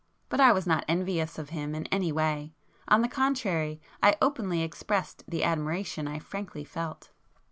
But I was not envious of him in any way,—on the contrary I openly expressed the admiration I frankly felt.